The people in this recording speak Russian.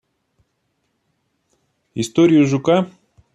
Историю жука?